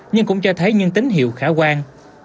nhưng cũng cho thấy những tín hiệu khả quan